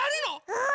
うん！